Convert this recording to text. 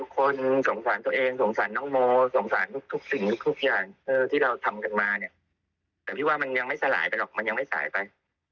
การที่เราทำกันมาเนี่ยแต่พี่ว่ามันยังไม่สลายไปหรอกมันยังไม่สายไป